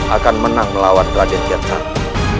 akan menang melawan raden kian santang